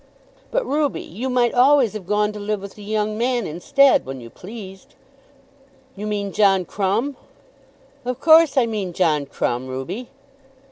"But, Ruby, you might always have gone to live with the young man instead when you pleased." "You mean John Crumb." "Of course I mean John Crumb, Ruby."